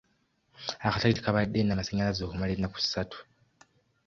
Akatale tekabadde na masanyalaze okumala ennaku ssatu.